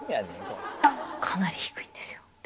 かなり低いんですよ。